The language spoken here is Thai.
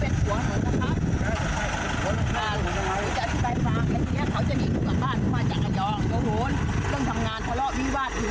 สวัสดีที่มาดูเพลง